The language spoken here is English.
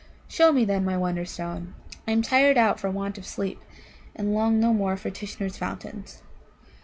"Show me, then, my Wonderstone. I am tired out for want of sleep, and long no more for Tishnar's fountains."